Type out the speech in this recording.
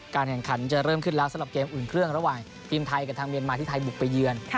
แข่งขันจะเริ่มขึ้นแล้วสำหรับเกมอุ่นเครื่องระหว่างทีมไทยกับทางเมียนมาที่ไทยบุกไปเยือน